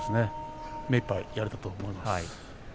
目いっぱいできたと思います。